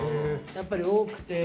やっぱり多くて。